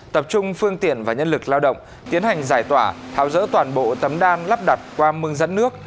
tập trung phương tiện và nhân lực lao động tiến hành giải tỏa tháo rỡ toàn bộ tấm đan lắp đặt qua mương dẫn nước